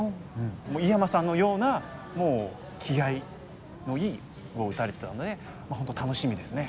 井山さんのようなもう気合いのいい碁を打たれてたので本当楽しみですね。